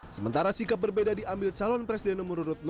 sementara sikap berbeda diambil calon presiden nomor dua prabowo supianto